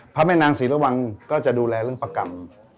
พระแม่นางศรีระวังก็จะดูแลเรื่องประกรรม